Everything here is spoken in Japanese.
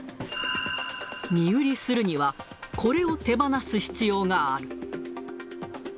身売りするには、これを手放す必要がある。